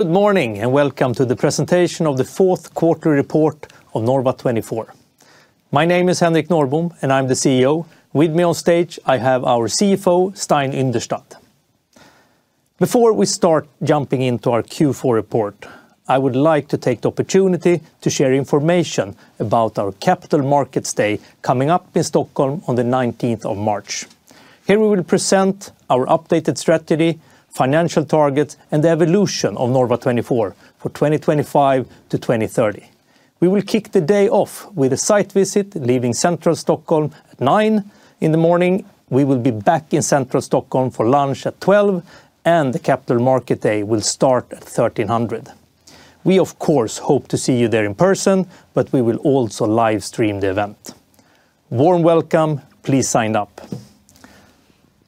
Good morning and welcome to the presentation of the fourth quarter report of Norva24. My name is Henrik Norrbom, and I'm the CEO. With me on stage, I have our CFO, Stein Yndestad. Before we start jumping into our Q4 report, I would like to take the opportunity to share information about our Capital Markets Day coming up in Stockholm on the 19th of March. Here we will present our updated strategy, financial targets, and the evolution of Norva24 for 2025 to 2030. We will kick the day off with a site visit leaving central Stockholm at 9:00 A.M. We will be back in central Stockholm for lunch at 12:00 P.M., and the Capital Markets Day will start at 1:00 P.M. We, of course, hope to see you there in person, but we will also live stream the event. Warm welcome, please sign up.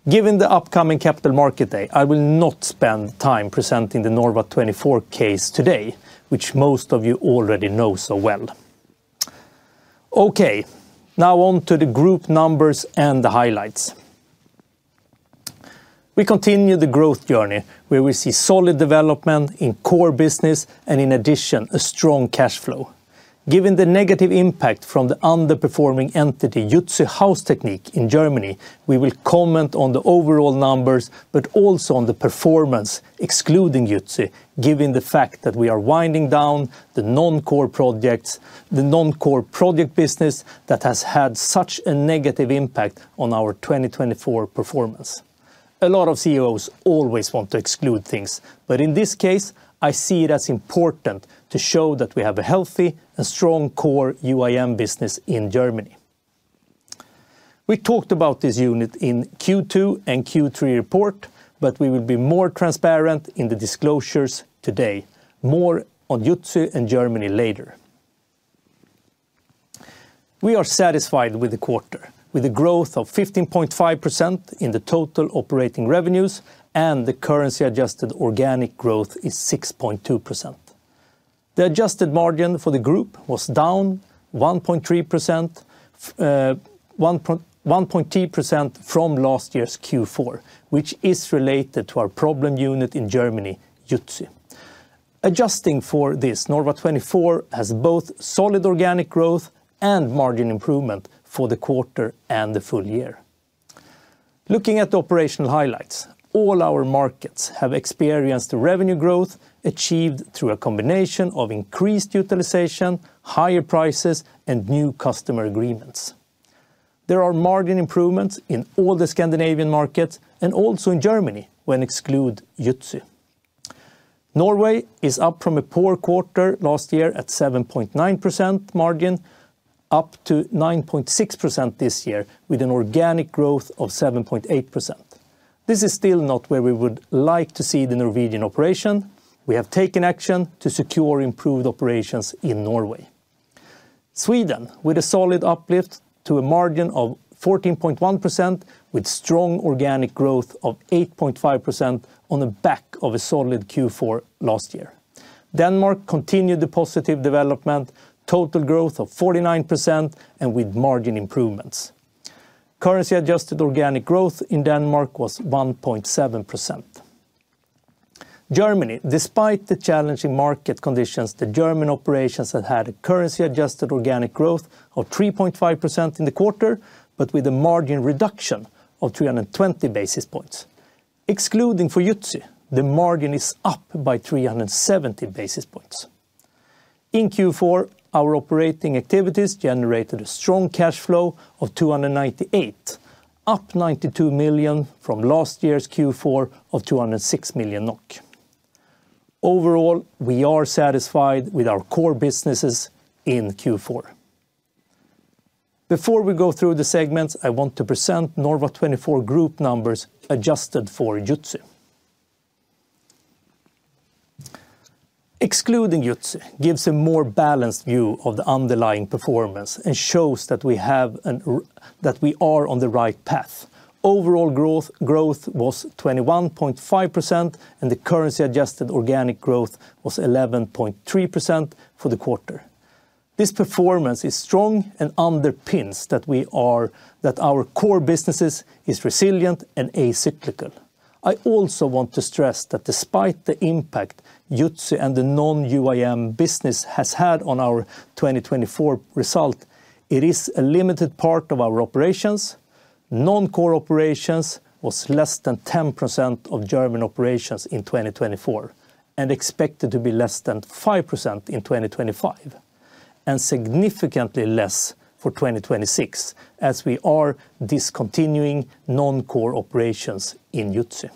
Given the upcoming Capital Markets Day, I will not spend time presenting the Norva24 case today, which most of you already know so well. Okay, now on to the group numbers and the highlights. We continue the growth journey where we see solid development in core business and, in addition, a strong cash flow. Given the negative impact from the underperforming entity Jutzy Haustechnik in Germany, we will comment on the overall numbers, but also on the performance, excluding Jutzy, given the fact that we are winding down the non-core projects, the non-core project business that has had such a negative impact on our 2024 performance. A lot of CEOs always want to exclude things, but in this case, I see it as important to show that we have a healthy and strong core UIM business in Germany. We talked about this unit in Q2 and Q3 report, but we will be more transparent in the disclosures today, more on Jutzy and Germany later. We are satisfied with the quarter, with a growth of 15.5% in the total operating revenues, and the currency-adjusted organic growth is 6.2%. The adjusted margin for the group was down 1.3% from last year's Q4, which is related to our problem unit in Germany, Jutzy. Adjusting for this, Norva24 has both solid organic growth and margin improvement for the quarter and the full year. Looking at the operational highlights, all our markets have experienced revenue growth achieved through a combination of increased utilization, higher prices, and new customer agreements. There are margin improvements in all the Scandinavian markets and also in Germany when excluding Jutzy. Norway is up from a poor quarter last year at 7.9% margin, up to 9.6% this year with an organic growth of 7.8%. This is still not where we would like to see the Norwegian operation. We have taken action to secure improved operations in Norway. Sweden, with a solid uplift to a margin of 14.1%, with strong organic growth of 8.5% on the back of a solid Q4 last year. Denmark continued the positive development, total growth of 49%, and with margin improvements. Currency-adjusted organic growth in Denmark was 1.7%. Germany, despite the challenging market conditions, the German operations had had a currency-adjusted organic growth of 3.5% in the quarter, but with a margin reduction of 320 basis points. Excluding for Jutzy, the margin is up by 370 basis points. In Q4, our operating activities generated a strong cash flow of 298 million, up 92 million from last year's Q4 of 206 million NOK. Overall, we are satisfied with our core businesses in Q4. Before we go through the segments, I want to present Norva24 Group numbers adjusted for Jutzy. Excluding Jutzy gives a more balanced view of the underlying performance and shows that we are on the right path. Overall growth was 21.5%, and the currency-adjusted organic growth was 11.3% for the quarter. This performance is strong and underpins that our core business is resilient and acyclical. I also want to stress that despite the impact Jutzy and the non-UIM business has had on our 2024 result, it is a limited part of our operations. Non-core operations was less than 10% of German operations in 2024 and expected to be less than 5% in 2025, and significantly less for 2026 as we are discontinuing non-core operations in Jutzy.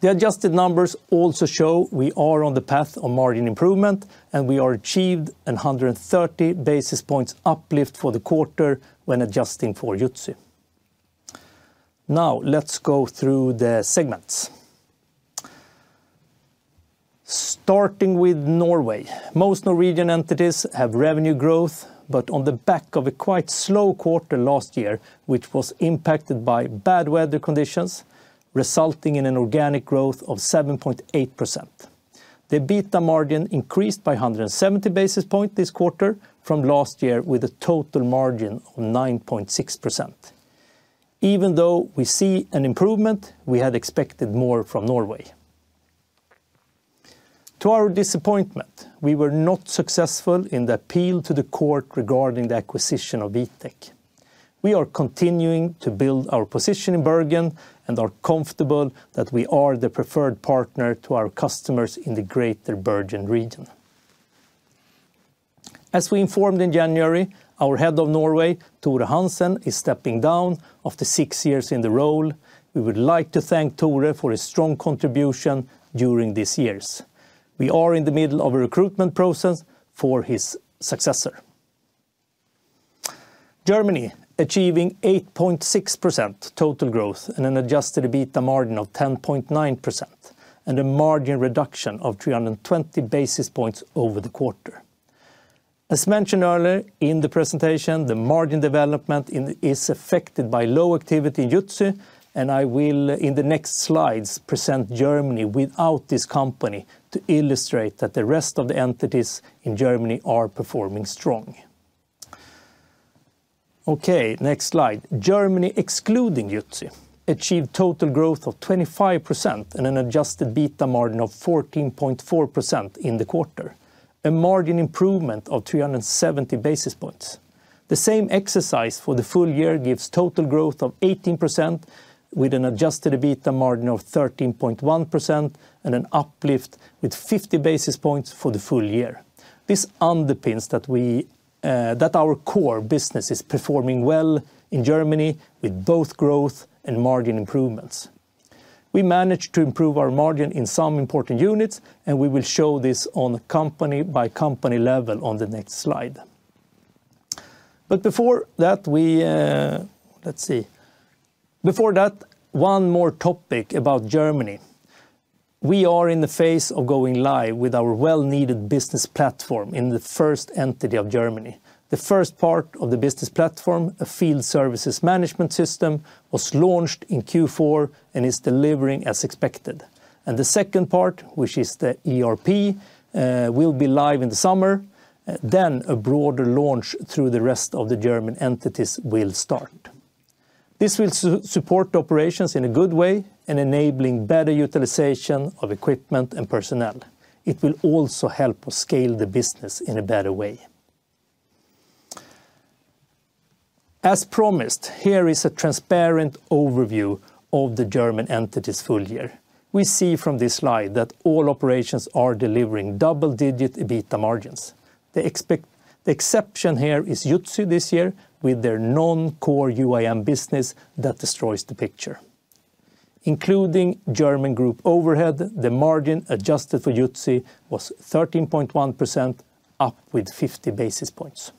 The adjusted numbers also show we are on the path of margin improvement, and we achieved a 130 basis points uplift for the quarter when adjusting for Jutzy. Now let's go through the segments. Starting with Norway, most Norwegian entities have revenue growth, but on the back of a quite slow quarter last year, which was impacted by bad weather conditions, resulting in an organic growth of 7.8%. The EBITA margin increased by 170 basis points this quarter from last year, with a total margin of 9.6%. Even though we see an improvement, we had expected more from Norway. To our disappointment, we were not successful in the appeal to the court regarding the acquisition of Vitek. We are continuing to build our position in Bergen and are comfortable that we are the preferred partner to our customers in the Greater Bergen region. As we informed in January, our Head of Norway, Tore Hansen, is stepping down after six years in the role. We would like to thank Tore for his strong contribution during these years. We are in the middle of a recruitment process for his successor. Germany achieving 8.6% total growth and an adjusted EBITA margin of 10.9% and a margin reduction of 320 basis points over the quarter. As mentioned earlier in the presentation, the margin development is affected by low activity in Jutzy, and I will, in the next slides, present Germany without this company to illustrate that the rest of the entities in Germany are performing strong. Okay, next slide. Germany, excluding Jutzy, achieved total growth of 25% and an adjusted EBITA margin of 14.4% in the quarter, a margin improvement of 370 basis points. The same exercise for the full year gives total growth of 18% with an adjusted EBITA margin of 13.1% and an uplift with 50 basis points for the full year. This underpins that our core business is performing well in Germany with both growth and margin improvements. We managed to improve our margin in some important units, and we will show this on company-by-company level on the next slide. But before that, let's see. Before that, one more topic about Germany. We are in the phase of going live with our well-needed business platform in the first entity of Germany. The first part of the business platform, a field services management system, was launched in Q4 and is delivering as expected. The second part, which is the ERP, will be live in the summer. Then a broader launch through the rest of the German entities will start. This will support operations in a good way and enable better utilization of equipment and personnel. It will also help us scale the business in a better way. As promised, here is a transparent overview of the German entities' full year. We see from this slide that all operations are delivering double-digit EBITA margins. The exception here is Jutzy this year with their non-core UIM business that destroys the picture. Including German group overhead, the margin adjusted for Jutzy was 13.1%, up with 50 basis points.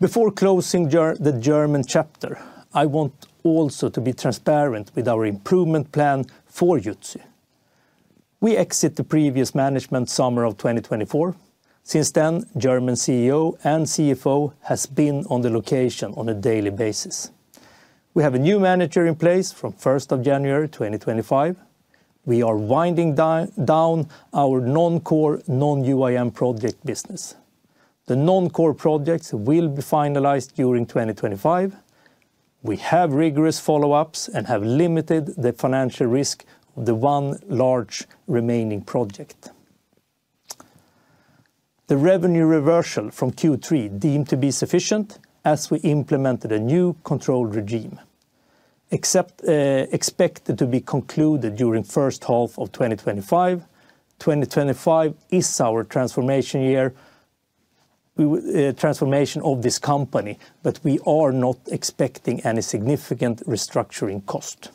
Before closing the German chapter, I want also to be transparent with our improvement plan for Jutzy. We exit the previous management summer of 2024. Since then, German CEO and CFO have been on the location on a daily basis. We have a new manager in place from 1st January 2025. We are winding down our non-core, non-UIM project business. The non-core projects will be finalized during 2025. We have rigorous follow-ups and have limited the financial risk of the one large remaining project. The revenue reversal from Q3 deemed to be sufficient as we implemented a new control regime, expected to be concluded during the first half of 2025. 2025 is our transformation year of this company, but we are not expecting any significant restructuring cost.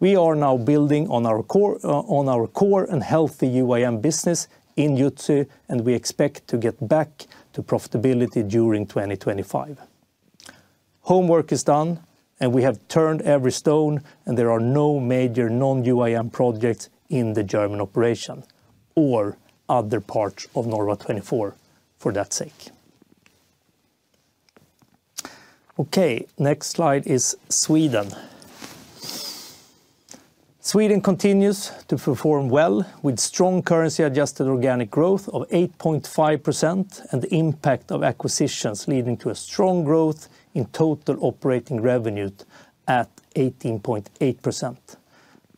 We are now building on our core and healthy UIM business in Jutzy, and we expect to get back to profitability during 2025. Homework is done, and we have turned every stone, and there are no major non-UIM projects in the German operation or other parts of Norva24 for that sake. Okay, next slide is Sweden. Sweden continues to perform well with strong currency-adjusted organic growth of 8.5% and the impact of acquisitions leading to a strong growth in total operating revenue at 18.8%.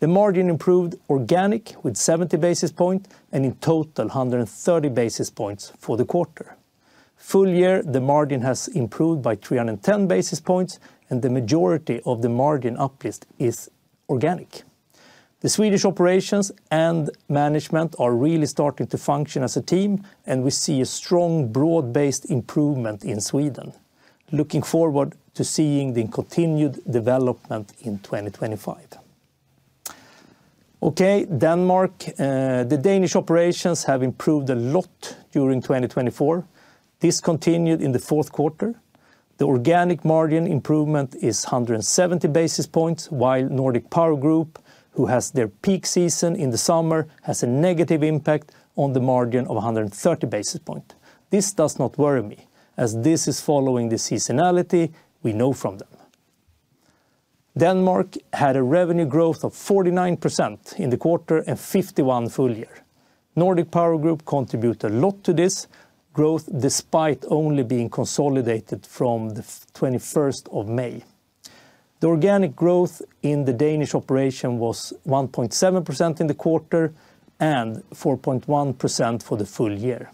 The margin improved organic with 70 basis points and in total 130 basis points for the quarter. Full year, the margin has improved by 310 basis points, and the majority of the margin uplift is organic. The Swedish operations and management are really starting to function as a team, and we see a strong broad-based improvement in Sweden. Looking forward to seeing the continued development in 2025. Okay, Denmark. The Danish operations have improved a lot during 2024, discontinued in the fourth quarter. The organic margin improvement is 170 basis points, while Nordic Powergroup, who has their peak season in the summer, has a negative impact on the margin of 130 basis points. This does not worry me as this is following the seasonality we know from them. Denmark had a revenue growth of 49% in the quarter and 51% full year. Nordic Powergroup contributed a lot to this growth despite only being consolidated from the 21st of May. The organic growth in the Danish operation was 1.7% in the quarter and 4.1% for the full year.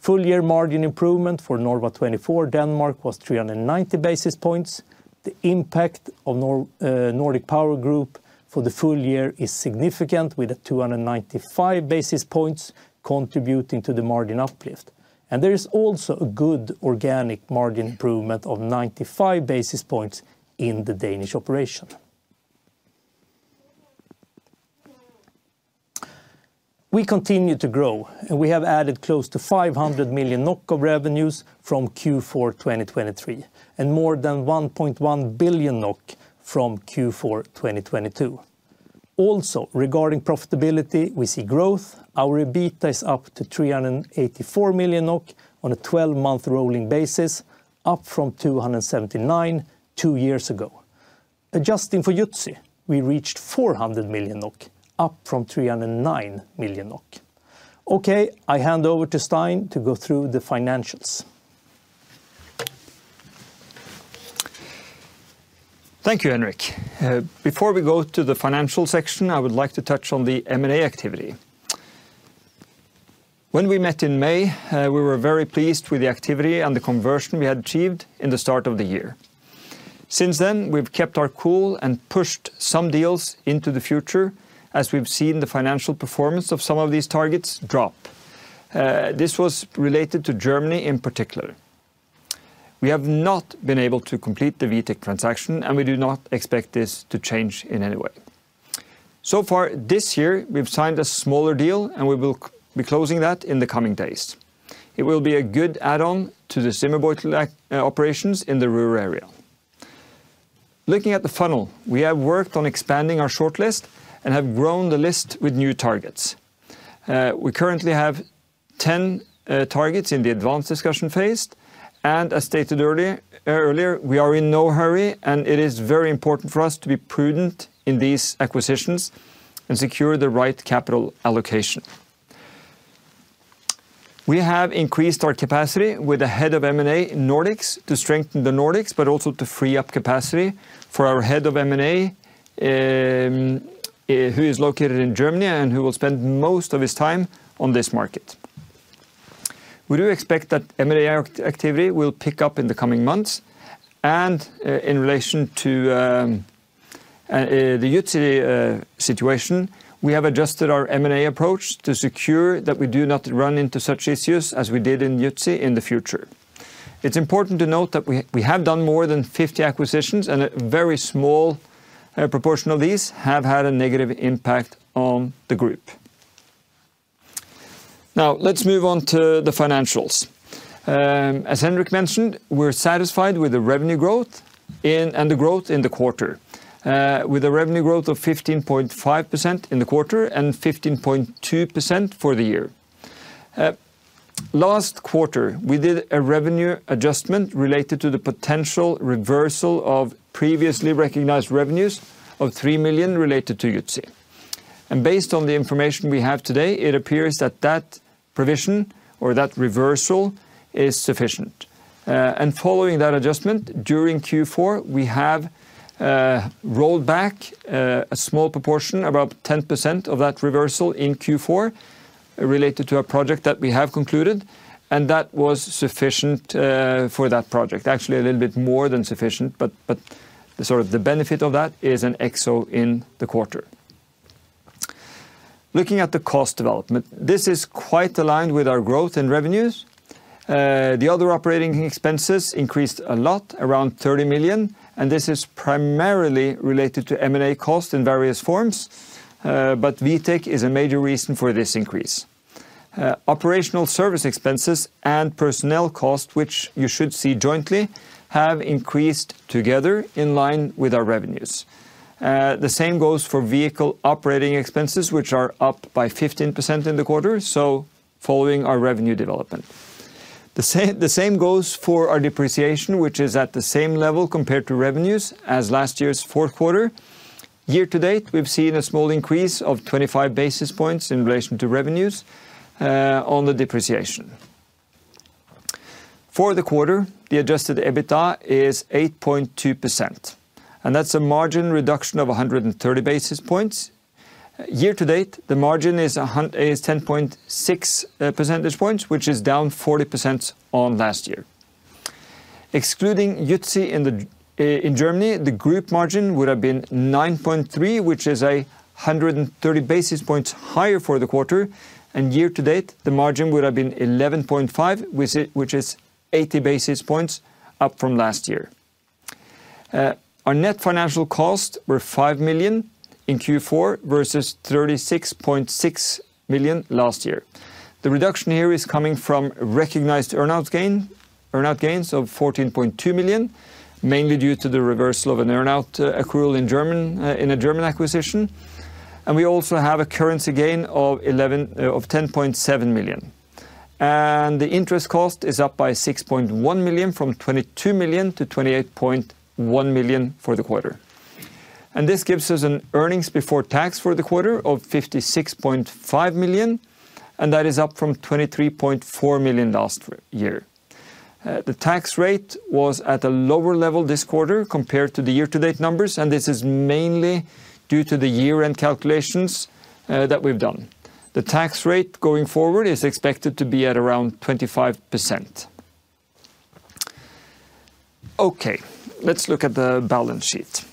Full year margin improvement for Norva24 Denmark was 390 basis points. The impact of Nordic Powergroup for the full year is significant, with 295 basis points contributing to the margin uplift. And there is also a good organic margin improvement of 95 basis points in the Danish operation. We continue to grow, and we have added close to 500 million NOK of revenues from Q4 2023 and more than 1.1 billion NOK from Q4 2022. Also, regarding profitability, we see growth. Our EBITDA is up to 384 million NOK on a 12-month rolling basis, up from 279 two years ago. Adjusting for Jutzy, we reached 400 million NOK, up from 309 million NOK. Okay, I hand over to Stein to go through the financials. Thank you, Henrik. Before we go to the financial section, I would like to touch on the M&A activity. When we met in May, we were very pleased with the activity and the conversion we had achieved in the start of the year. Since then, we've kept our cool and pushed some deals into the future as we've seen the financial performance of some of these targets drop. This was related to Germany in particular. We have not been able to complete the Vitek transaction, and we do not expect this to change in any way. So far this year, we've signed a smaller deal, and we will be closing that in the coming days. It will be a good add-on to the Zimmerbeutel operations in the rural area. Looking at the funnel, we have worked on expanding our shortlist and have grown the list with new targets. We currently have 10 targets in the advanced discussion phase, and as stated earlier, we are in no hurry, and it is very important for us to be prudent in these acquisitions and secure the right capital allocation. We have increased our capacity with the Head of M&A Nordics to strengthen the Nordics, but also to free up capacity for our Head of M&A who is located in Germany and who will spend most of his time on this market. We do expect that M&A activity will pick up in the coming months, and in relation to the Jutzy situation, we have adjusted our M&A approach to secure that we do not run into such issues as we did in Jutzy in the future. It's important to note that we have done more than 50 acquisitions, and a very small proportion of these have had a negative impact on the group. Now, let's move on to the financials. As Henrik mentioned, we're satisfied with the revenue growth and the growth in the quarter, with a revenue growth of 15.5% in the quarter and 15.2% for the year. Last quarter, we did a revenue adjustment related to the potential reversal of previously recognized revenues of 3 million related to Jutzy, and based on the information we have today, it appears that that provision or that reversal is sufficient, and following that adjustment during Q4, we have rolled back a small proportion, about 10% of that reversal in Q4 related to a project that we have concluded, and that was sufficient for that project. Actually, a little bit more than sufficient, but the sort of benefit of that is an upside in the quarter. Looking at the cost development, this is quite aligned with our growth in revenues. The other operating expenses increased a lot, around 30 million, and this is primarily related to M&A costs in various forms, but Vitek is a major reason for this increase. Operational service expenses and personnel costs, which you should see jointly, have increased together in line with our revenues. The same goes for vehicle operating expenses, which are up by 15% in the quarter, so following our revenue development. The same goes for our depreciation, which is at the same level compared to revenues as last year's fourth quarter. Year-to-date, we've seen a small increase of 25 basis points in relation to revenues on the depreciation. For the quarter, the adjusted EBITDA is 8.2%, and that's a margin reduction of 130 basis points. Year-to-date, the margin is 10.6 percentage points, which is down 40% on last year. Excluding Jutzy in Germany, the group margin would have been 9.3, which is 130 basis points higher for the quarter, and year to date, the margin would have been 11.5, which is 80 basis points up from last year. Our net financial costs were 5 million in Q4 versus 36.6 million last year. The reduction here is coming from recognized earnout gains of 14.2 million, mainly due to the reversal of an earnout accrual in a German acquisition, and we also have a currency gain of 10.7 million. And the interest cost is up by 6.1 million from 22 million to 28.1 million for the quarter. And this gives us an earnings before tax for the quarter of 56.5 million, and that is up from 23.4 million last year. The tax rate was at a lower level this quarter compared to the year-to-date numbers, and this is mainly due to the year-end calculations that we've done. The tax rate going forward is expected to be at around 25%. Okay, let's look at the balance sheet.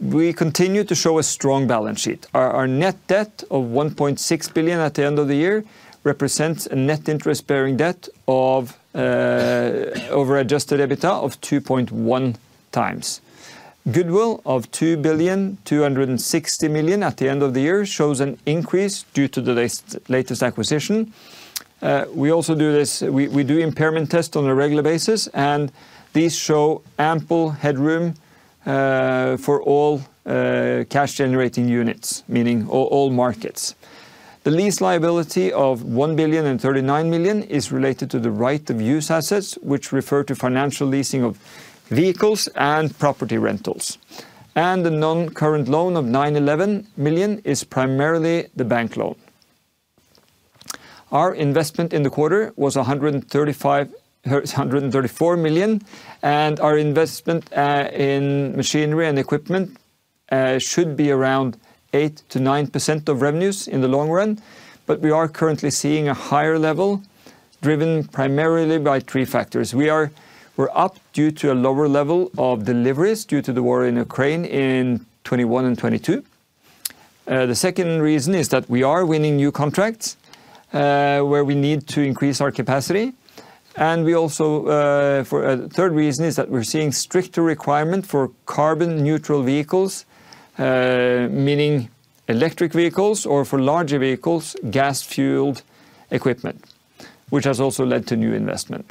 We continue to show a strong balance sheet. Our net debt of 1.6 billion at the end of the year represents a net interest-bearing debt over adjusted EBITDA of 2.1x. Goodwill of 2.260 million at the end of the year shows an increase due to the latest acquisition. We also do this. We do impairment tests on a regular basis, and these show ample headroom for all cash-generating units, meaning all markets. The lease liability of 1.039 million is related to the right of use assets, which refer to financial leasing of vehicles and property rentals, and the non-current loan of 911 million is primarily the bank loan. Our investment in the quarter was 134 million, and our investment in machinery and equipment should be around 8%-9% of revenues in the long run, but we are currently seeing a higher level driven primarily by three factors. We are up due to a lower level of deliveries due to the war in Ukraine in 2021 and 2022. The second reason is that we are winning new contracts where we need to increase our capacity, and we also, for a third reason, is that we're seeing stricter requirement for carbon-neutral vehicles, meaning electric vehicles, or for larger vehicles, gas-fueled equipment, which has also led to new investment.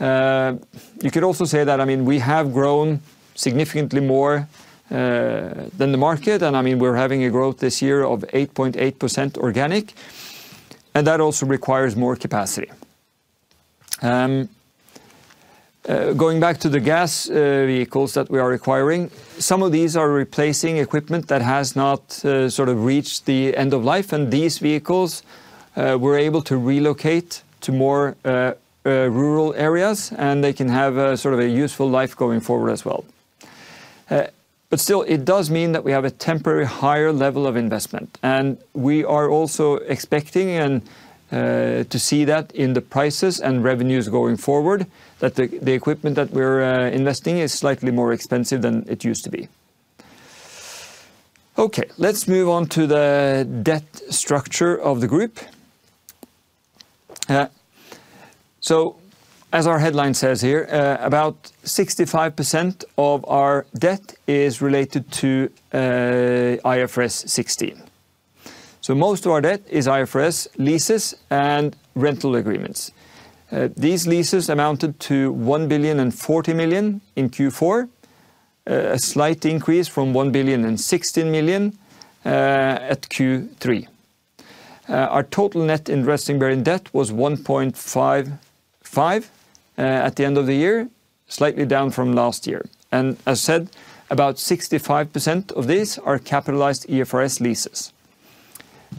You could also say that, I mean, we have grown significantly more than the market, and I mean, we're having a growth this year of 8.8% organic, and that also requires more capacity. Going back to the gas vehicles that we are acquiring, some of these are replacing equipment that has not sort of reached the end of life, and these vehicles were able to relocate to more rural areas, and they can have sort of a useful life going forward as well. But still, it does mean that we have a temporary higher level of investment, and we are also expecting to see that in the prices and revenues going forward, that the equipment that we're investing is slightly more expensive than it used to be. Okay, let's move on to the debt structure of the group. So, as our headline says here, about 65% of our debt is related to IFRS 16. So, most of our debt is IFRS leases and rental agreements. These leases amounted to 1.040 million in Q4, a slight increase from 1.016 million at Q3. Our total net interest-bearing debt was 1.55 billion at the end of the year, slightly down from last year. As said, about 65% of these are capitalized IFRS leases.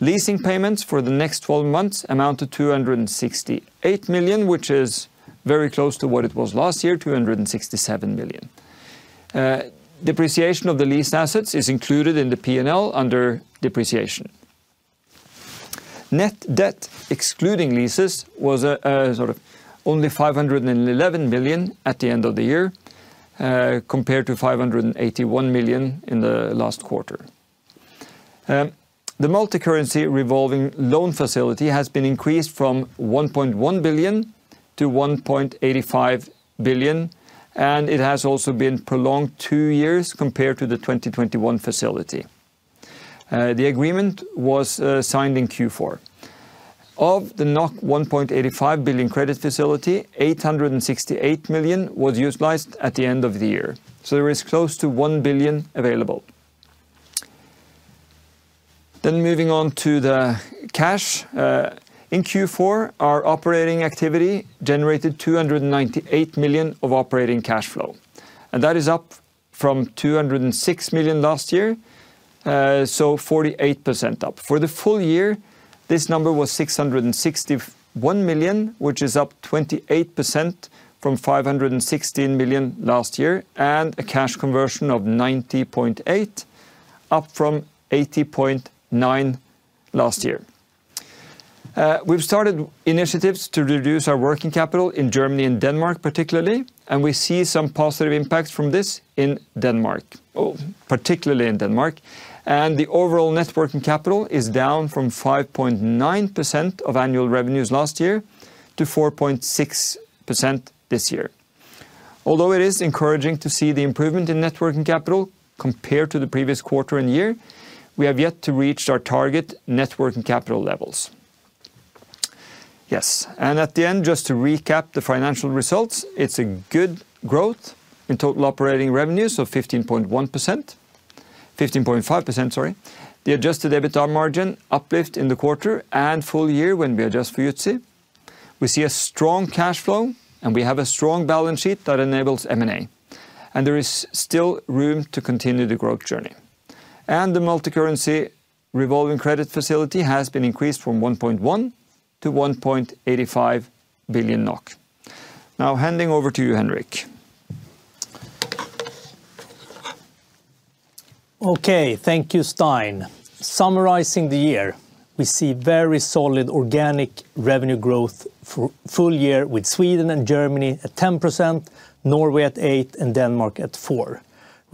Leasing payments for the next 12 months amount to 268 million, which is very close to what it was last year, 267 million. Depreciation of the leased assets is included in the P&L under depreciation. Net debt excluding leases was sort of only 511 million at the end of the year compared to 581 million in the last quarter. The multicurrency revolving loan facility has been increased from 1.1 billion to 1.85 billion, and it has also been prolonged two years compared to the 2021 facility. The agreement was signed in Q4. Of the 1.85 billion credit facility, 868 million was utilized at the end of the year. There is close to 1 billion available. Then moving on to the cash. In Q4, our operating activity generated 298 million of operating cash flow, and that is up from 206 million last year, so 48% up. For the full year, this number was 661 million, which is up 28% from 516 million last year, and a cash conversion of 90.8%, up from 80.9% last year. We've started initiatives to reduce our working capital in Germany and Denmark particularly, and we see some positive impacts from this in Denmark, particularly in Denmark. And the overall net working capital is down from 5.9% of annual revenues last year to 4.6% this year. Although it is encouraging to see the improvement in net working capital compared to the previous quarter and year, we have yet to reach our target net working capital levels. Yes, and at the end, just to recap the financial results, it's a good growth in total operating revenues of 15.1%, 15.5%, sorry. The adjusted EBITDA margin uplift in the quarter and full year when we adjust for Jutzy. We see a strong cash flow, and we have a strong balance sheet that enables M&A, and there is still room to continue the growth journey, and the multicurrency revolving credit facility has been increased from 1.1 billion-1.85 billion NOK. Now, handing over to you, Henrik. Okay, thank you, Stein. Summarizing the year, we see very solid organic revenue growth for full year with Sweden and Germany at 10%, Norway at 8%, and Denmark at 4%,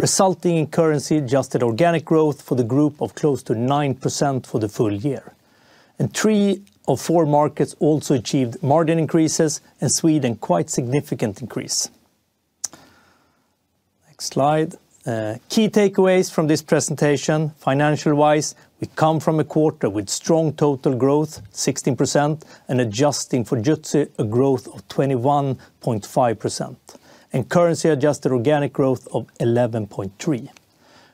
resulting in currency adjusted organic growth for the group of close to 9% for the full year, and three of four markets also achieved margin increases, and Sweden quite significant increase. Next slide. Key takeaways from this presentation. Financial-wise, we come from a quarter with strong total growth, 16%, and adjusting for Jutzy a growth of 21.5%, and currency adjusted organic growth of 11.3%.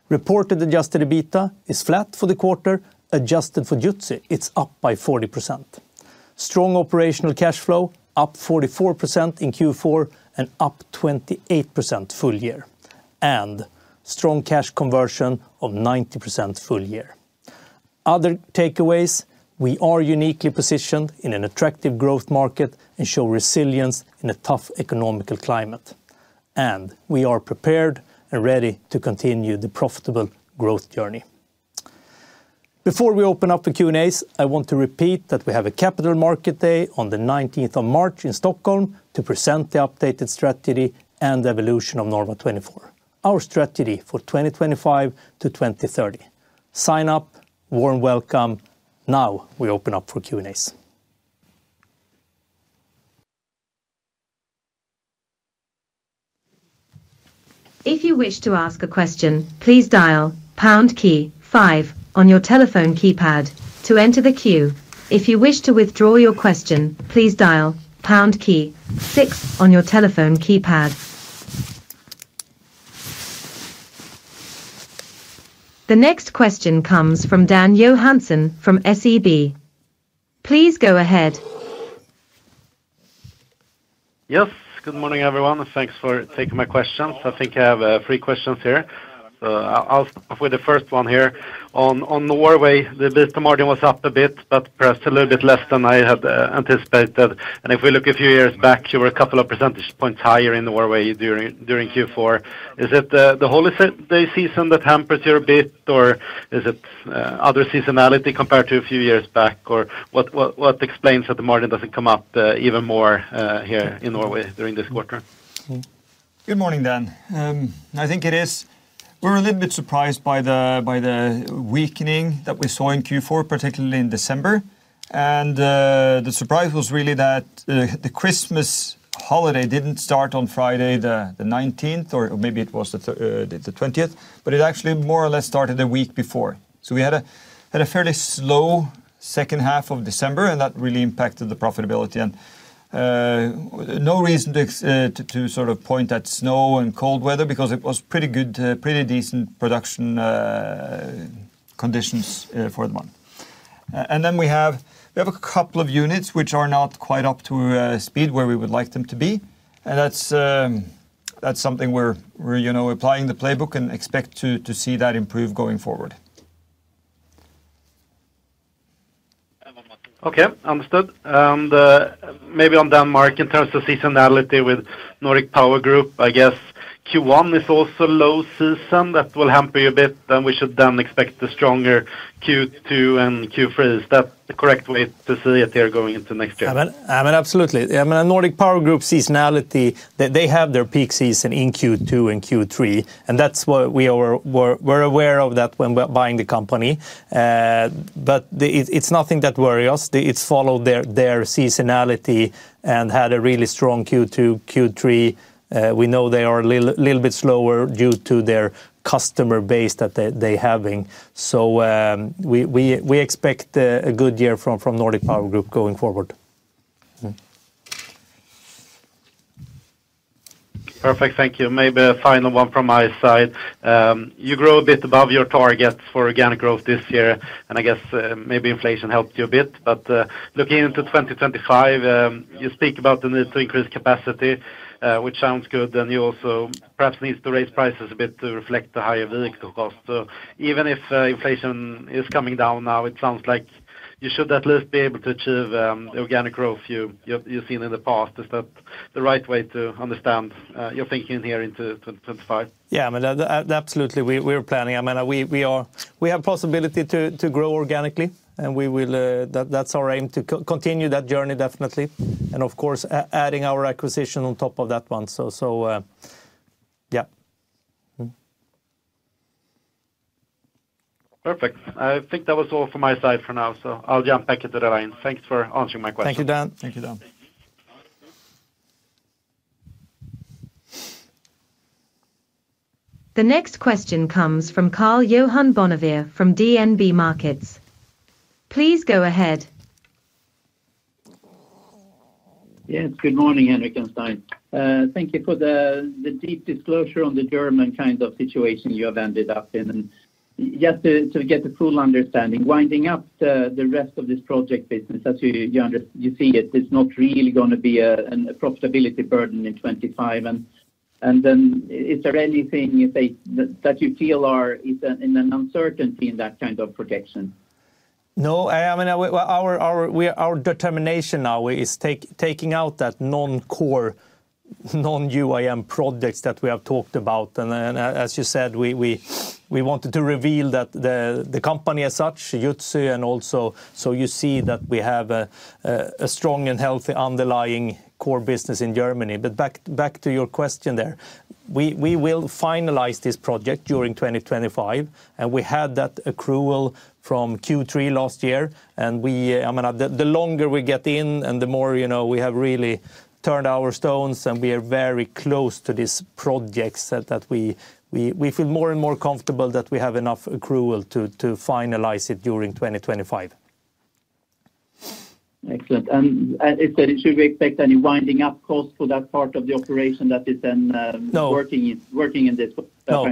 Reported adjusted EBITDA is flat for the quarter. Adjusted for Jutzy, it's up by 40%. Strong operational cash flow, up 44% in Q4 and up 28% full year, and strong cash conversion of 90% full year. Other takeaways, we are uniquely positioned in an attractive growth market and show resilience in a tough economic climate, and we are prepared and ready to continue the profitable growth journey. Before we open up the Q&As, I want to repeat that we have a capital market day on the 19th of March in Stockholm to present the updated strategy and evolution of Norva24, our strategy for 2025 to 2030. Sign up, warm welcome. Now we open up for Q&As. If you wish to ask a question, please dial pound key five on your telephone keypad to enter the queue. If you wish to withdraw your question, please dial pound key six on your telephone keypad. The next question comes from Dan Johansson from SEB. Please go ahead. Yes, good morning everyone. Thanks for taking my questions. I think I have three questions here. So I'll start with the first one here. On Norway, the business margin was up a bit, but perhaps a little bit less than I had anticipated. And if we look a few years back, you were a couple of percentage points higher in Norway during Q4. Is it the holiday season that hampers you a bit, or is it other seasonality compared to a few years back, or what explains that the margin doesn't come up even more here in Norway during this quarter? Good morning, Dan. I think it is. We were a little bit surprised by the weakening that we saw in Q4, particularly in December. And the surprise was really that the Christmas holiday didn't start on Friday the 19th, or maybe it was the 20th, but it actually more or less started a week before. So we had a fairly slow second half of December, and that really impacted the profitability. And no reason to sort of point at snow and cold weather because it was pretty good, pretty decent production conditions for the month. And then we have a couple of units which are not quite up to speed where we would like them to be. And that's something we're applying the playbook and expect to see that improve going forward. Okay, understood. And maybe on Denmark, in terms of seasonality with Nordic Powergroup, I guess Q1 is also low season that will hamper you a bit, then we should expect the stronger Q2 and Q3. Is that the correct way to see it here going into next year? Absolutely. I mean, Nordic Powergroup seasonality, they have their peak season in Q2 and Q3, and that's what we were aware of when buying the company. But it's nothing that worries us. It's followed their seasonality and had a really strong Q2, Q3. We know they are a little bit slower due to their customer base that they're having. So we expect a good year from Nordic Powergroup going forward. Perfect, thank you. Maybe a final one from my side. You grew a bit above your targets for organic growth this year, and I guess maybe inflation helped you a bit. But looking into 2025, you speak about the need to increase capacity, which sounds good, and you also perhaps need to raise prices a bit to reflect the higher vehicle costs. So even if inflation is coming down now, it sounds like you should at least be able to achieve the organic growth you've seen in the past. Is that the right way to understand your thinking here into 2025? Yeah, I mean, absolutely. We are planning. I mean, we have a possibility to grow organically, and that's our aim to continue that journey, definitely. And of course, adding our acquisition on top of that one. So, yeah. Perfect. I think that was all from my side for now, so I'll jump back into the line. Thanks for answering my question. Thank you, Dan. Thank you, Dan. The next question comes from Karl-Johan Bonnevier from DNB Markets. Please go ahead. Yes, good morning, Henrik and Stein. Thank you for the deep disclosure on the German kind of situation you have ended up in. And just to get a full understanding, winding up the rest of this project business, as you see it, it's not really going to be a profitability burden in 2025. And then is there anything that you feel is in an uncertainty in that kind of projection? No, I mean, our determination now is taking out that non-core, non-UIM projects that we have talked about. And as you said, we wanted to reveal that the company as such, Jutzy, and also so you see that we have a strong and healthy underlying core business in Germany. But back to your question there, we will finalize this project during 2025, and we had that accrual from Q3 last year. I mean, the longer we get in, and the more we have really turned over every stone, and we are very close to these projects that we feel more and more comfortable that we have enough accrual to finalize it during 2025. Excellent. And is it to be expected any winding up cost for that part of the operation that is then to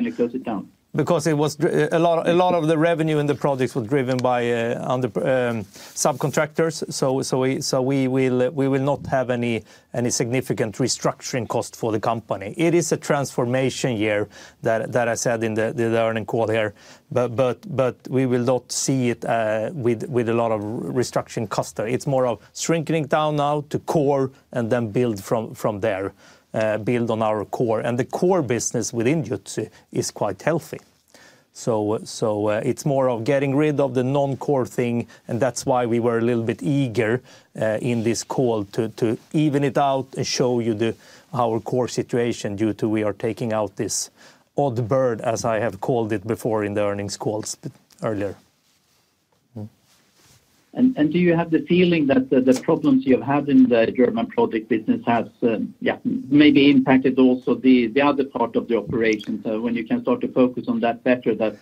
be closed down? Because a lot of the revenue in the projects was driven by subcontractors, so we will not have any significant restructuring cost for the company. It is a transformation year that I said in the earnings call here, but we will not see it with a lot of restructuring costs. It's more of shrinking down now to core and then build from there, build on our core. And the core business within Jutzy is quite healthy. So it's more of getting rid of the non-core thing, and that's why we were a little bit eager in this call to even it out and show you our core situation due to we are taking out this odd bird, as I have called it before in the earnings calls earlier. And do you have the feeling that the problems you have had in the German project business have maybe impacted also the other part of the operation? So when you can start to focus on that better, that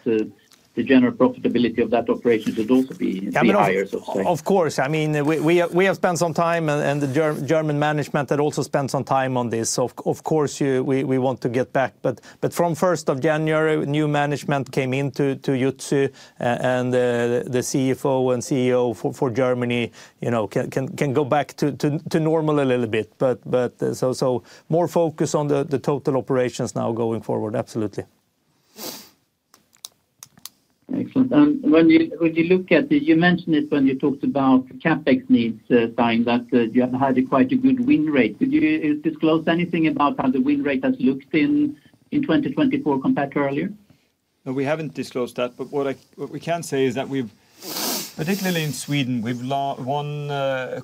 the general profitability of that operation should also be higher, so to say. Of course. I mean, we have spent some time, and the German management had also spent some time on this. Of course, we want to get back. But from 1st of January, new management came into Jutzy, and the CFO and CEO for Germany can go back to normal a little bit. But so more focus on the total operations now going forward, absolutely. Excellent. When you look at, you mentioned it when you talked about CapEx needs, Stein, that you have had quite a good win rate. Could you disclose anything about how the win rate has looked in 2024 compared to earlier? We haven't disclosed that, but what we can say is that we've, particularly in Sweden, we've won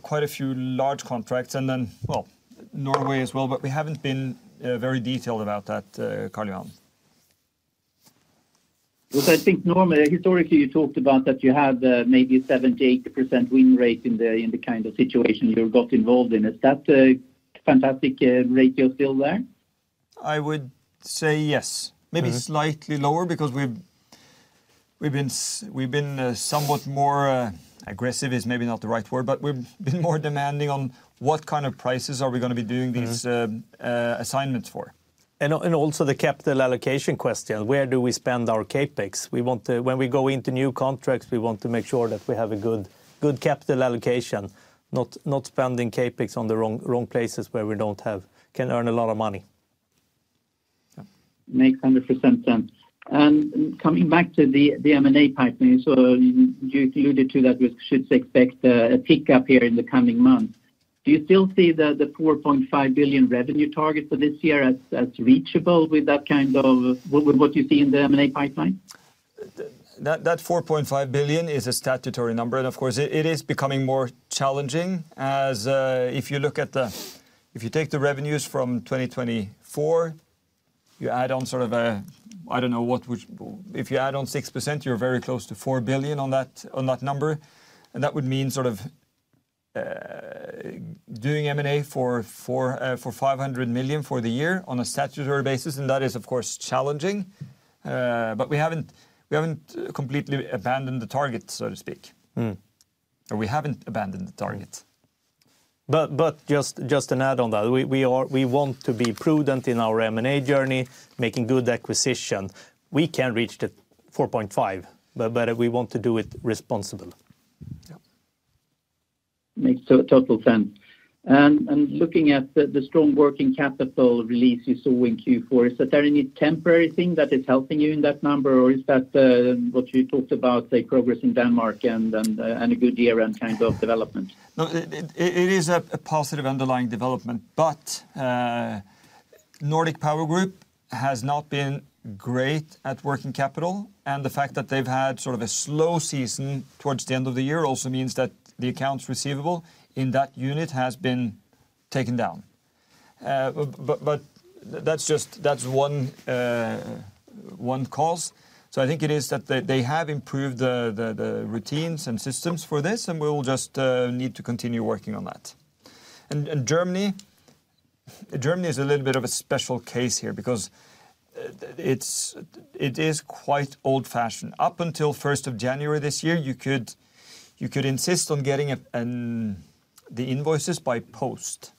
quite a few large contracts, and then, well, Norway as well, but we haven't been very detailed about that, Karl-Johan. I think normally, historically, you talked about that you had maybe 70%-80% win rate in the kind of situation you got involved in. Is that a fantastic ratio still there? I would say yes. Maybe slightly lower because we've been somewhat more aggressive is maybe not the right word, but we've been more demanding on what kind of prices are we going to be doing these assignments for. And also the capital allocation question, where do we spend our CapEx? When we go into new contracts, we want to make sure that we have a good capital allocation, not spending CapEx on the wrong places where we can earn a lot of money. Makes 100% sense. And coming back to the M&A pipeline, so you alluded to that we should expect a pickup here in the coming months. Do you still see the 4.5 billion revenue target for this year as reachable with that kind of what you see in the M&A pipeline? That 4.5 billion is a statutory number, and of course, it is becoming more challenging as if you look at the, if you take the revenues from 2024, you add on sort of a, I don't know what, if you add on 6%, you're very close to 4 billion on that number. And that would mean sort of doing M&A for 500 million for the year on a statutory basis, and that is, of course, challenging. But we haven't completely abandoned the target, so to speak. Or we haven't abandoned the target. But just an add on that, we want to be prudent in our M&A journey, making good acquisition. We can reach the 4.5, but we want to do it responsibly. Makes total sense. Looking at the strong working capital release you saw in Q4, is there any temporary thing that is helping you in that number, or is that what you talked about, say, progress in Denmark and a good year and kind of development? It is a positive underlying development, but Nordic Powergroup has not been great at working capital, and the fact that they've had sort of a slow season towards the end of the year also means that the accounts receivable in that unit has been taken down. That's one cause. I think it is that they have improved the routines and systems for this, and we will just need to continue working on that. Germany, Germany is a little bit of a special case here because it is quite old-fashioned. Up until 1st of January this year, you could insist on getting the invoices by post.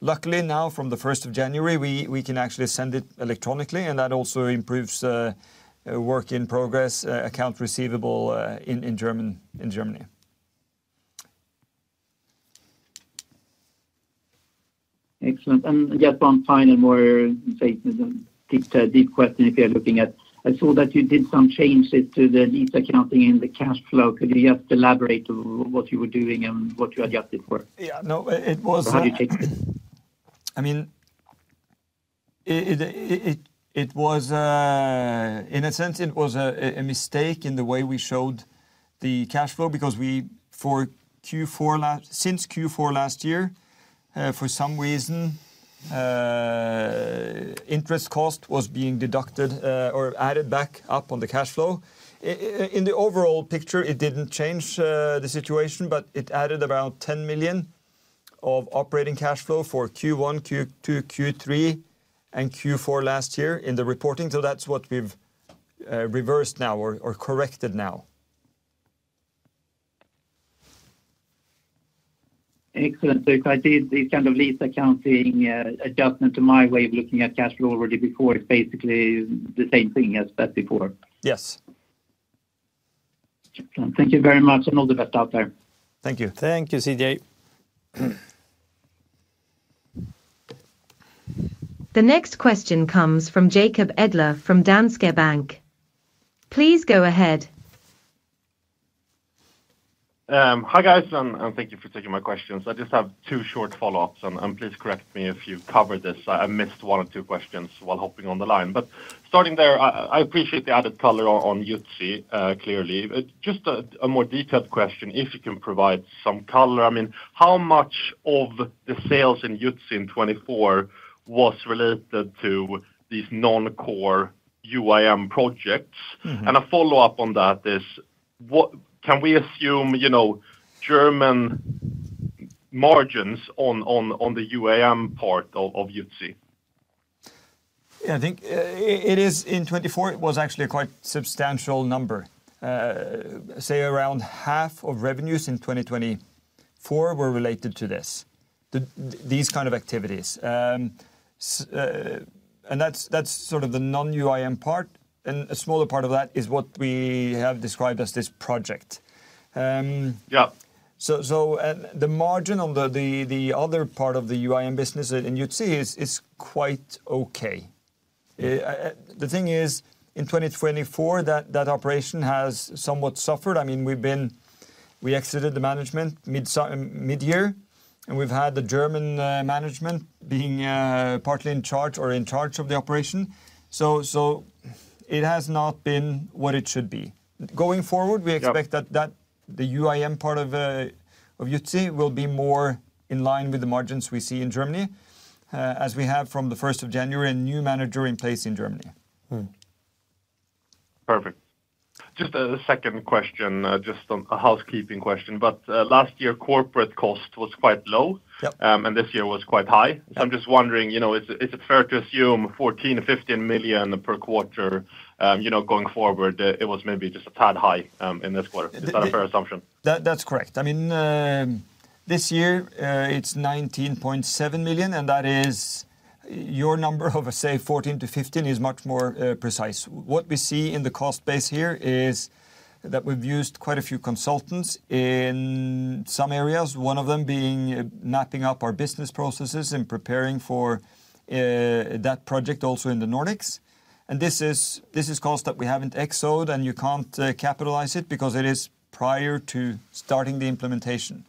Luckily, now from the 1st of January, we can actually send it electronically, and that also improves work in progress, accounts receivable in Germany. Excellent. And just one final more deep question if you're looking at, I saw that you did some changes to the lease accounting and the cash flow. Could you just elaborate on what you were doing and what you adjusted for? Yeah, no, it was, I mean, in a sense, it was a mistake in the way we showed the cash flow because for Q4, since Q4 last year, for some reason, interest cost was being deducted or added back up on the cash flow. In the overall picture, it didn't change the situation, but it added around 10 million of operating cash flow for Q1, Q2, Q3, and Q4 last year in the reporting. So that's what we've reversed now or corrected now. Excellent. So if I did this kind of lease accounting adjustment to my way of looking at cash flow already before, it's basically the same thing as before. Yes. Thank you very much and all the best out there. Thank you. Thank you, KJ. The next question comes from Jacob Edler from Danske Bank. Please go ahead. Hi guys, and thank you for taking my questions. I just have two short follow-ups, and please correct me if you covered this. I missed one or two questions while hopping on the line. But starting there, I appreciate the added color on Jutzy, clearly. Just a more detailed question, if you can provide some color. I mean, how much of the sales in Jutzy in 2024 was related to these non-core UIM projects? And a follow-up on that is, can we assume German margins on the UIM part of Jutzy? Yeah, I think it is in 2024, it was actually a quite substantial number. Say around half of revenues in 2024 were related to this, these kind of activities. And that's sort of the non-UIM part, and a smaller part of that is what we have described as this project. Yeah. So the margin on the other part of the UIM business in Jutzy is quite okay. The thing is, in 2024, that operation has somewhat suffered. I mean, we exited the management mid-year, and we've had the German management being partly in charge or in charge of the operation. So it has not been what it should be. Going forward, we expect that the UIM part of Jutzy will be more in line with the margins we see in Germany, as we have from the 1st of January and new manager in place in Germany. Perfect. Just a second question, just a housekeeping question. But last year, corporate cost was quite low, and this year was quite high. So I'm just wondering, is it fair to assume 14 million-15 million per quarter going forward? It was maybe just a tad high in this quarter. Is that a fair assumption? That's correct. I mean, this year, it's 19.7 million, and that is your number of, say, 14 to 15 is much more precise. What we see in the cost base here is that we've used quite a few consultants in some areas, one of them being mapping out our business processes and preparing for that project also in the Nordics. And this is cost that we haven't expensed, and you can't capitalize it because it is prior to starting the implementation.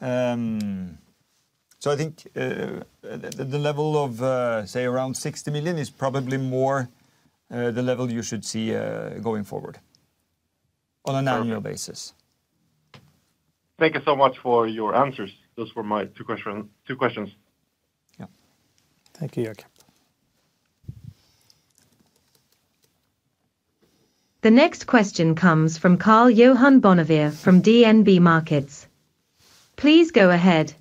So I think the level of, say, around 60 million is probably more the level you should see going forward on an annual basis. Thank you so much for your answers. Those were my two questions. Yeah. Thank you, Jacob. The next question comes from Karl-Johan Bonnevier from DNB Markets. Please go ahead.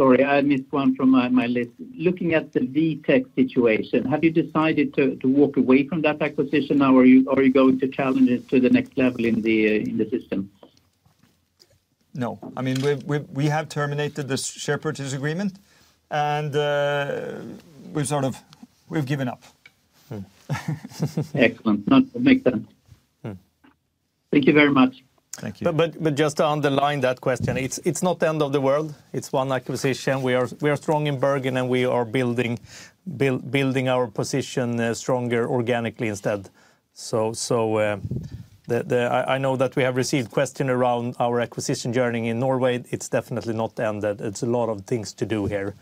Sorry, I missed one from my list. Looking at the Vitek situation, have you decided to walk away from that acquisition now, or are you going to challenge it to the next level in the system? No. I mean, we have terminated the share purchase agreement, and we've sort of given up. Excellent. Makes sense. Thank you very much. Thank you. But just to underline that question, it's not the end of the world. It's one acquisition. We are strong in Bergen, and we are building our position stronger organically instead. So I know that we have received questions around our acquisition journey in Norway. It's definitely not the end. It's a lot of things to do here.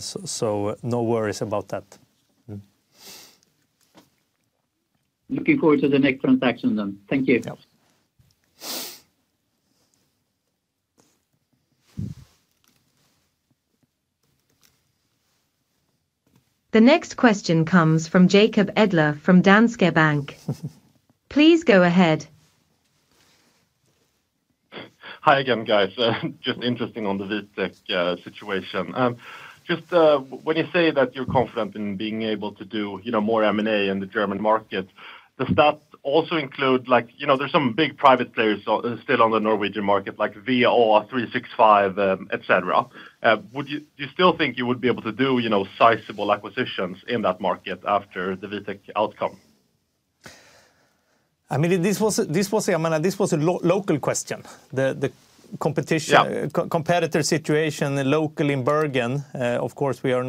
So no worries about that. Looking forward to the next transaction then. Thank you. The next question comes from Jacob Edler from Danske Bank. Please go ahead. Hi again, guys. Just interesting on the Vitek situation. Just when you say that you're confident in being able to do more M&A in the German market, does that also include there's some big private players still on the Norwegian market, like VA365, etc.? Do you still think you would be able to do sizable acquisitions in that market after the Vitek outcome? I mean, this was a local question. The competitor situation locally in Bergen, of course, we are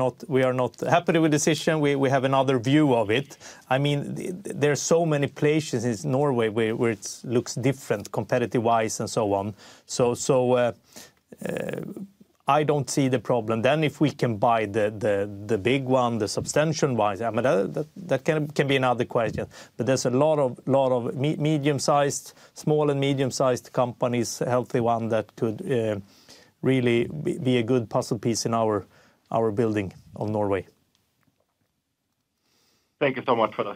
not happy with the decision. We have another view of it. I mean, there are so many places in Norway where it looks different competitive-wise and so on. So I don't see the problem. Then if we can buy the big one, the substantial one, that can be another question. But there's a lot of medium-sized, small and medium-sized companies, healthy ones that could really be a good puzzle piece in our building of Norway. Thank you so much for the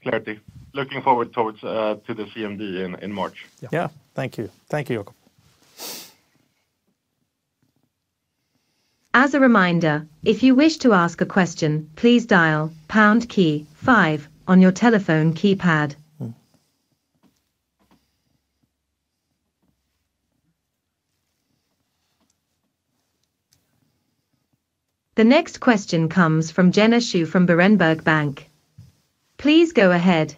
clarity. Looking forward to the CMD in March. Yeah, thank you. Thank you. As a reminder, if you wish to ask a question, please dial pound key five on your telephone keypad. The next question comes from Jenna Xu from Berenberg Bank. Please go ahead.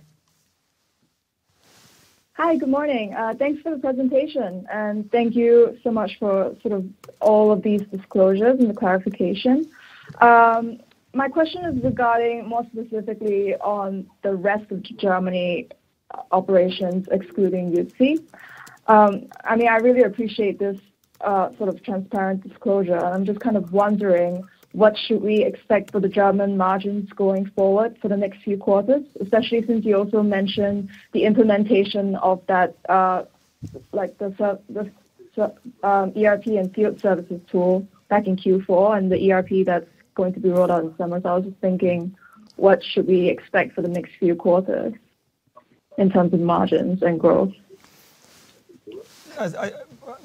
Hi, good morning. Thanks for the presentation, and thank you so much for sort of all of these disclosures and the clarification. My question is regarding more specifically on the rest of Germany operations, excluding Jutzy. I mean, I really appreciate this sort of transparent disclosure, and I'm just kind of wondering what should we expect for the German margins going forward for the next few quarters, especially since you also mentioned the implementation of the ERP and field services tool back in Q4 and the ERP that's going to be rolled out in summer. So I was just thinking, what should we expect for the next few quarters in terms of margins and growth?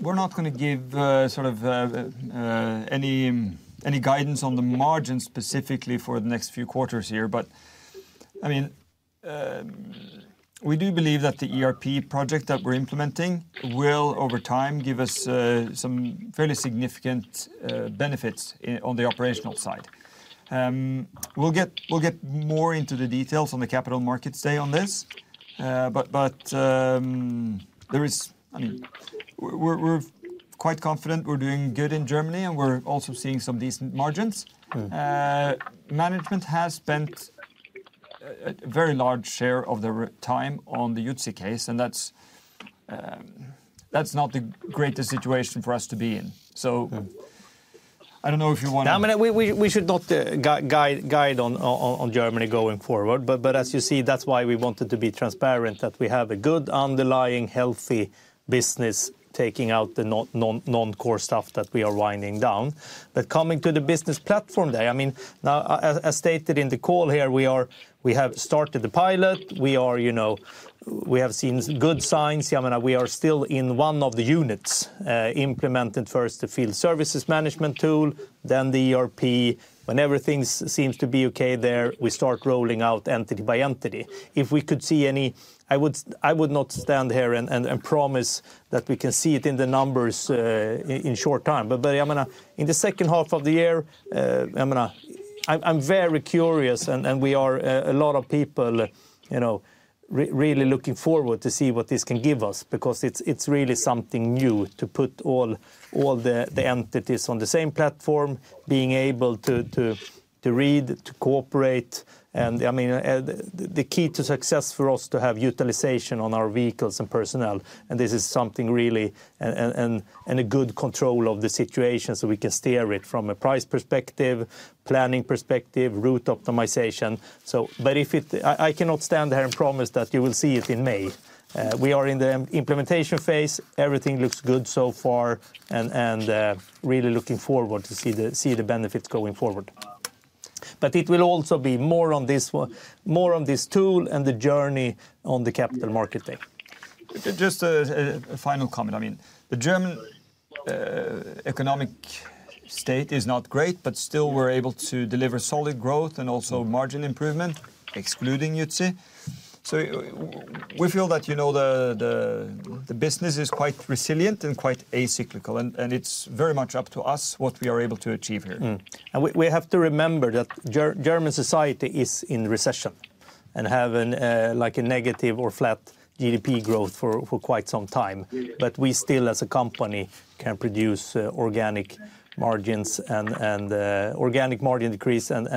We're not going to give sort of any guidance on the margins specifically for the next few quarters here, but I mean, we do believe that the ERP project that we're implementing will, over time, give us some fairly significant benefits on the operational side. We'll get more into the details on the Capital Markets Day on this, but there is, I mean, we're quite confident we're doing good in Germany, and we're also seeing some decent margins. Management has spent a very large share of their time on the Jutzy case, and that's not the greatest situation for us to be in. So I don't know if you want to. I mean, we should not guide on Germany going forward, but as you see, that's why we wanted to be transparent that we have a good underlying healthy business taking out the non-core stuff that we are winding down, but coming to the business platform there. I mean, as stated in the call here, we have started the pilot. We have seen good signs. I mean, we are still in one of the units implemented first, the field services management tool, then the ERP. When everything seems to be okay there, we start rolling out entity by entity. If we could see any, I would not stand here and promise that we can see it in the numbers in short time. But I mean, in the second half of the year, I mean, I'm very curious, and we are a lot of people really looking forward to see what this can give us because it's really something new to put all the entities on the same platform, being able to read, to cooperate. And I mean, the key to success for us is to have utilization on our vehicles and personnel. And this is something really and a good control of the situation so we can steer it from a price perspective, planning perspective, route optimization. But I cannot stand here and promise that you will see it in May. We are in the implementation phase. Everything looks good so far, and really looking forward to see the benefits going forward. But it will also be more on this tool and the journey on the Capital Markets Day. Just a final comment. I mean, the German economic state is not great, but still we're able to deliver solid growth and also margin improvement, excluding Jutzy. So we feel that the business is quite resilient and quite acyclical, and it's very much up to us what we are able to achieve here. And we have to remember that German society is in recession and has a negative or flat GDP growth for quite some time. But we still, as a company, can produce organic margins and organic margin decrease and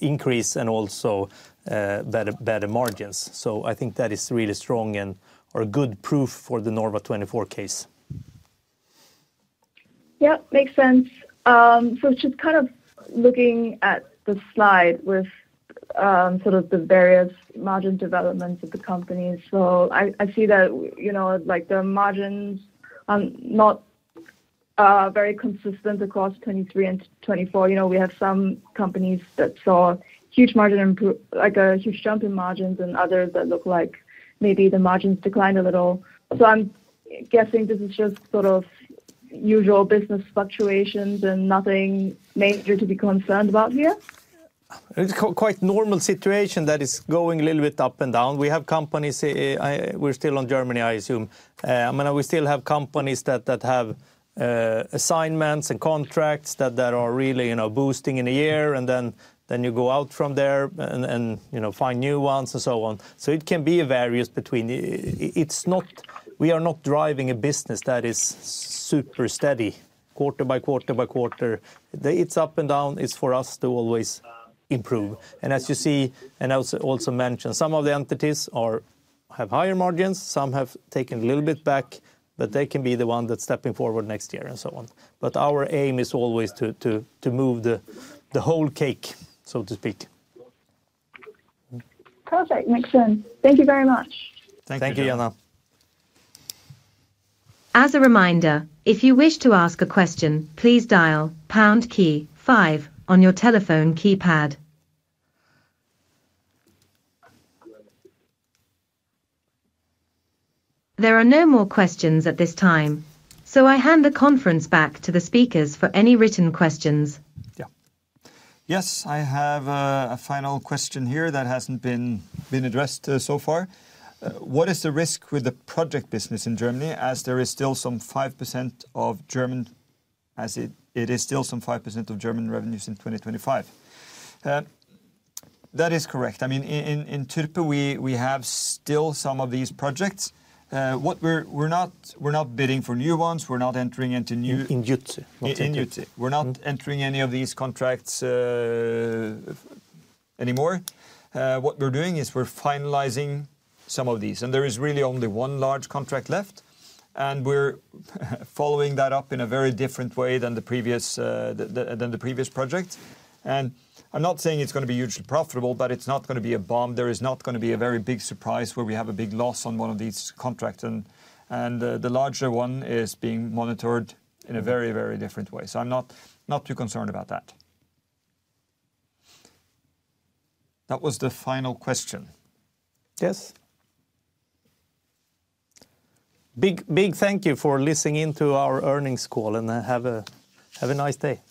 increase and also better margins. So I think that is really strong and a good proof for the Norva24 case. Yeah, makes sense. So just kind of looking at the slide with sort of the various margin developments of the companies. So I see that the margins are not very consistent across 2023 and 2024. We have some companies that saw huge margins, like a huge jump in margins, and others that look like maybe the margins declined a little. So I'm guessing this is just sort of usual business fluctuations and nothing major to be concerned about here. It's quite a normal situation that is going a little bit up and down. We have companies we're still in Germany, I assume. I mean, we still have companies that have assignments and contracts that are really boosting in a year, and then you go out from there and find new ones and so on. So it can be various between. We are not driving a business that is super steady, quarter-by-quarter-by-quarter. It's up and down. It's for us to always improve. And as you see, and I also mentioned, some of the entities have higher margins. Some have taken a little bit back, but they can be the ones that are stepping forward next year and so on. But our aim is always to move the whole cake, so to speak. Perfect. Makes sense. Thank you very much. Thank you. Thank you, Jenna. As a reminder, if you wish to ask a question, please dial pound key five on your telephone keypad. There are no more questions at this time, so I hand the conference back to the speakers for any written questions. Yeah. Yes, I have a final question here that hasn't been addressed so far. What is the risk with the project business in Germany as there is still some 5% of German, as it is still some 5% of German revenues in 2025? That is correct. I mean, in Türpe, we have still some of these projects. We're not bidding for new ones. We're not entering into new in Jutzy. We're not entering any of these contracts anymore. What we're doing is we're finalizing some of these, and there is really only one large contract left, and we're following that up in a very different way than the previous project, and I'm not saying it's going to be hugely profitable, but it's not going to be a bomb. There is not going to be a very big surprise where we have a big loss on one of these contracts, and the larger one is being monitored in a very, very different way, so I'm not too concerned about that. That was the final question. Yes. Big thank you for listening in to our earnings call, and have a nice day.